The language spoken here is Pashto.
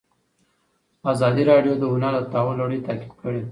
ازادي راډیو د هنر د تحول لړۍ تعقیب کړې.